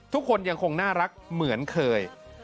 ทุกคนยังคงน่ารักเหมือนเคย